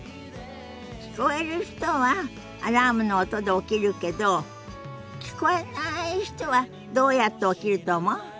聞こえる人はアラームの音で起きるけど聞こえない人はどうやって起きると思う？